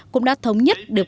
cũng đã thống nhất được